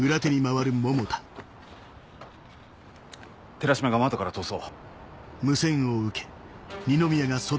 ・寺島が窓から逃走。